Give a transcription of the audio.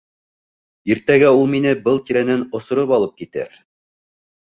— Иртәгә ул мине был тирәнән осороп алып китер.